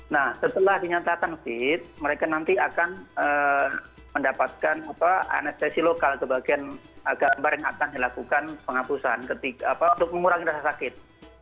nah setelah dinyatakan fit mereka nanti akan mendapatkan anestesi lokal ke bagian gambar yang akan dilakukan penghapusan untuk mengurangi rasa sakit